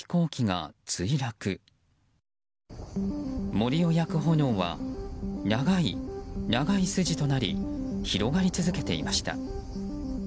森を焼く炎は長い、長い筋となり広がり続けていました。